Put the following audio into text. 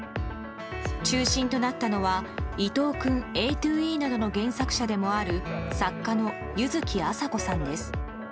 中心となったのは映画「伊藤くんＡｔｏＥ」などの原作者でもある作家の柚木麻子さんです。